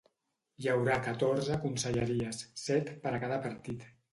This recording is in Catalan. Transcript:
Hi haurà catorze conselleries, set per a cada partit.